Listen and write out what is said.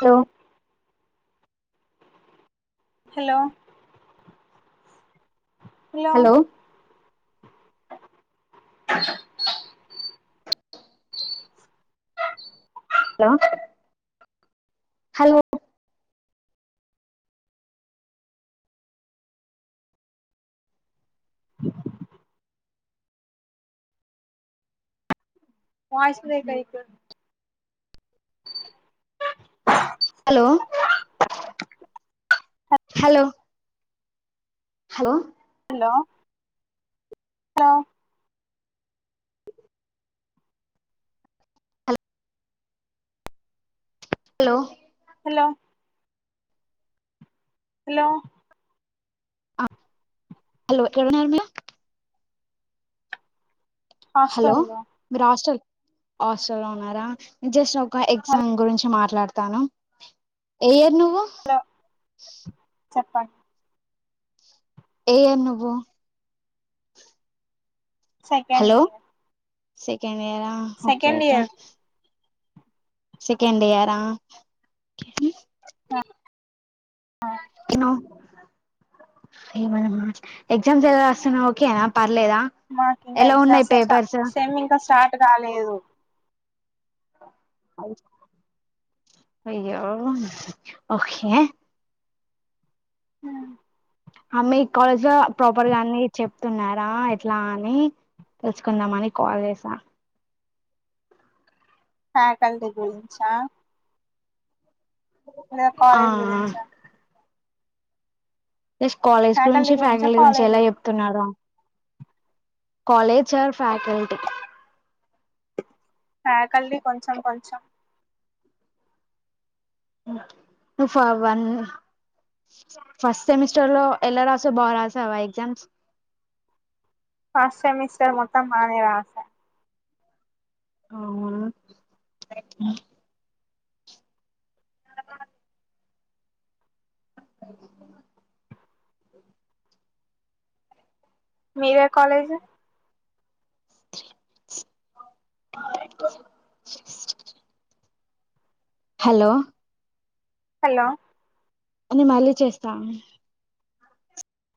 hello hello hello hello hello voice break అయితుంది hello hello hello hello hello hello లో hello hello [inaudible] hello హాస్టల్లో మీరు hostel hostel లో ఉన్నారా జస్ట్ ఒక ఎగ్జామ్ గురించి మాట్లాడతాను ఏ ఇయర్ నువ్వు హలో చెప్పండి ఏ ఇయర్ నువ్వు సెకండ్ హలో ఇయర్ సెకండ్ ఇయరా okay second okay year second year ఆ ఎగ్జామ్స్ ఎలా ఓకేనా పర్లేదా మాకు ఇంకా ఎలా ఉన్నాయి ఎగ్జామ్స్ పేపర్స్ సెమ్ ఇంకా స్టార్ట్ కాలేదు అయ్యో ఓకే హ అ మీ కాలేజ్ లో ప్రాపర్ గా అన్ని చెప్తున్నారా ఎట్లా అని తెలుసుకుందామ అని కాల్ చేసా ఫ్యాకల్టీ గురించ లేదా ఆ కాలేజ్ గురించా ప్లస్ కాలేజ్ గురించి గురించా ఫ్యాకల్టీ గురించి కాలేజ్ ఎలా గురి చెప్తున్నారో కాలేజ్ ఆర్ ఫ్యాకల్టీ ఫ్యాకల్టీ కొంచెం కొంచెం [unintelligible] వన్ ఫస్ట్ సెమిస్టర్ లో ఎలా రాసవు బా రాసావా ఎగ్జామ్స్ ఫస్ట్ సమిస్టర్ మోత్తం బానే రాస అవును అ మీరే కాలేజ్ హలో హలో నే మళ్ళీ చేస్తాను